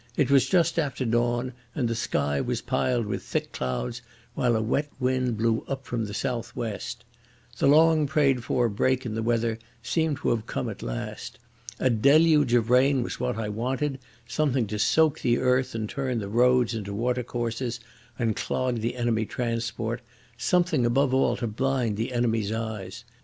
It was just after dawn and the sky was piled with thick clouds, while a wet wind blew up from the southwest. The long prayed for break in the weather seemed to have come at last. A deluge of rain was what I wanted, something to soak the earth and turn the roads into water courses and clog the enemy transport, something above all to blind the enemy's eyes....